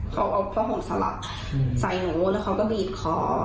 เขาเอาผ้าห่มสลักใส่หนูแล้วเขาก็บีบคอ